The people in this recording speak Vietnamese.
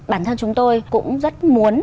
bản thân chúng tôi cũng rất muốn